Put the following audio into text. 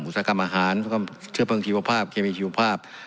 อุตสาหกรรมอาหารเชื่อเพิ่มกิโลกภาพเคมีกิโลกภาพ